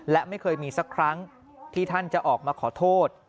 และไม่เคยมีสักครั้งที่ท่านจะออกมาขอโทษ